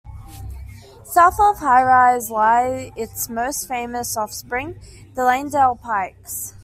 South of High Raise lie its most famous offspring, the Langdale Pikes.